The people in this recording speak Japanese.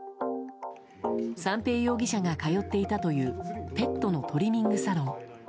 三瓶容疑者が通っていたというペットのトリミングサロン。